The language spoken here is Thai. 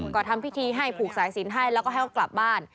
ก็ทำพิธีให้ผูกสายสินให้แล้วก็ให้เขากลับบ้าน